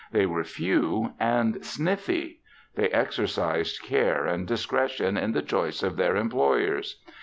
They were few and sniffy. They exercised care and discretion in the choice of their employers.